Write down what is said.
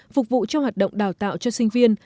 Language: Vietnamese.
phục vụ cho hoạt động đào tạo cho sinh viên